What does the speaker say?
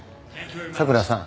佐倉さん。